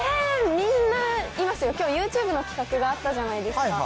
みんないますよ、きょう、ユーチューブの企画があったじゃないですか。